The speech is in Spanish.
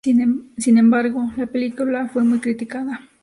Sin embargo, la película fue muy criticada.